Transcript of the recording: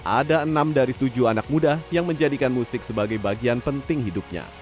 ada enam dari tujuh anak muda yang menjadikan musik sebagai bagian penting hidupnya